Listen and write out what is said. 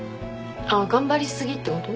あっ頑張りすぎってこと？